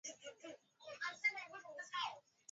na mnamo mwaka elfumoja miatisa arobaini na sita